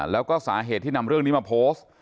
แล้วก็สาเหตุที่นำเรื่องนี้มาโพสต์